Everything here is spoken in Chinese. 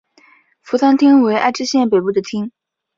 扶桑町为爱知县北部的町。